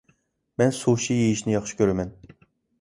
مەن سۇشى يېيىشنى ياخشى كۆرىمەن.